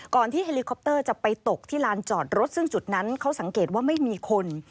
ที่เฮลิคอปเตอร์จะไปตกที่ลานจอดรถซึ่งจุดนั้นเขาสังเกตว่าไม่มีคน